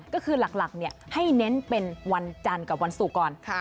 ก็คือหลักให้เน้นเป็นวันจันทร์กับวันศุกร์ก่อน